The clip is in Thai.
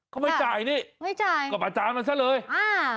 เขาไม่จ่ายนี่ไม่จ่ายกับอาจารย์มันซะเลยอ่า